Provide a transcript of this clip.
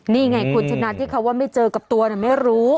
นี่ไงคุณชนะที่เขาว่าไม่เจอกับตัวไม่รู้